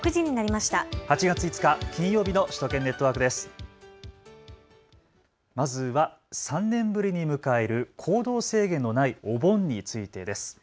まずは３年ぶりに迎える行動制限のないお盆についてです。